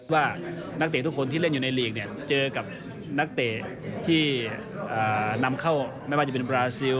ว่านักเตะทุกคนที่เล่นอยู่ในลีกเนี่ยเจอกับนักเตะที่นำเข้าไม่ว่าจะเป็นบราซิล